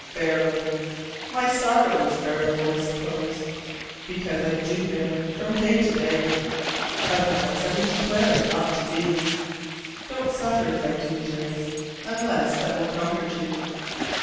Bearable! My sorrow is bearable, I suppose, because I do bear it from day to day: otherwise I would declare it not to be. Don't suffer as I do, dearest, unless that will comfort you.